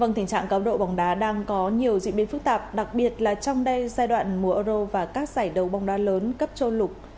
vâng tình trạng cáo độ bóng đá đang có nhiều diễn biến phức tạp đặc biệt là trong đây giai đoạn mùa euro và các giải đấu bóng đá lớn cấp châu lục